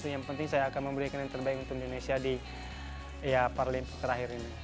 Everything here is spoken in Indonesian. yang penting saya akan memberikan yang terbaik untuk indonesia di parlim terakhir ini